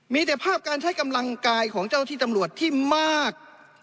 มีแต่ภาพการใช้กำลังกายของเจ้าที่ตำรวจที่มาก